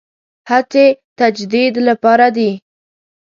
هڅې تجدید لپاره دي.